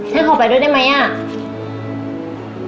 ให้ขอไปด้วยได้มั้ยเนี่ย